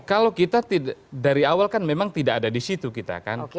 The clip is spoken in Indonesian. kalau kita dari awal kan memang tidak ada di situ kita kan